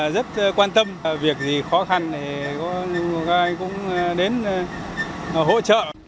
rất quan tâm việc gì khó khăn thì có ai cũng đến hỗ trợ